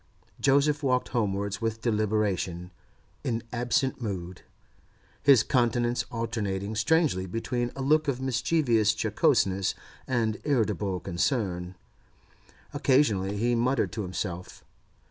Joseph walked homewards with deliberation, in absent mood, his countenance alternating strangely between a look of mischievous jocoseness and irritable concern; occasionally he muttered to himself.